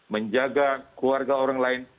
menjaga keluarga orang lain